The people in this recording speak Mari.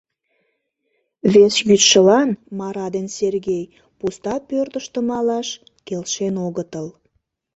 Вес йӱдшылан Мара ден Сергей пуста пӧртыштӧ малаш келшен огытыл.